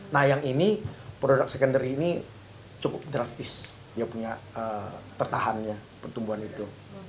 nah yang ini produk secondary ini cukup drastis dia punya tertahannya pertumbuhan itu